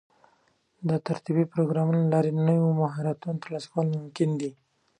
د تربيتي پروګرامونو له لارې د نوو مهارتونو ترلاسه کول ممکن دي.